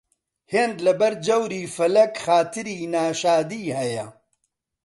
هێند لەبەر جەوری فەلەک خاتری ناشادی هەیە